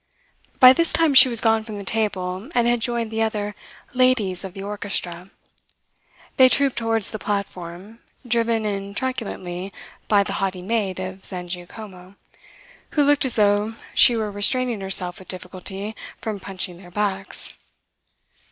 By this time she was gone from the table, and had joined the other "ladies of the orchestra." They trooped towards the platform, driven in truculently by the haughty mate of Zangiacomo, who looked as though she were restraining herself with difficulty from punching their backs.